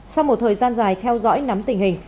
sau một thời gian dài theo dõi nắm tình hình